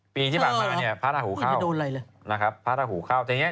ปีที่ฝากมาเนี่ยพระราหูเข้านะครับพระราหูเข้า